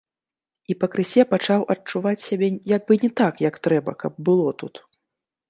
І пакрысе пачаў адчуваць сябе як бы не так, як трэба, каб было тут.